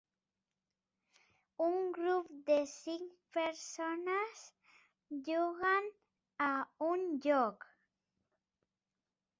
Un grup de cinc persones jugant a un joc.